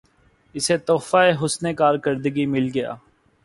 اسے تحفہِ حسنِ کارکردگی مل گیا